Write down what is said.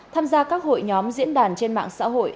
tham gia các hội nhóm diễn đàn trên mạng xã hội